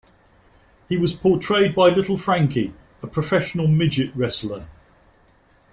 He was portrayed by "Little Frankie", a professional midget wrestler.